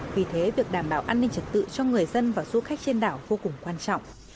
vì thế việc đảm bảo an ninh trật tự cho người dân và du khách trên đảo vô cùng quan trọng